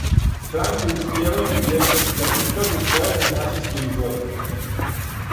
Странке успијевају избјећи да прикажу своје финансијске изворе.